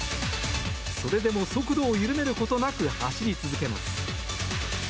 それでも速度を緩めることなく走り続けます。